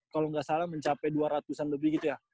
kalau nggak salah mencapai dua ratus an lebih gitu ya